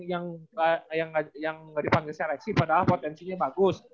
yang yang yang yang dipanggil seleksi padahal potensinya bagus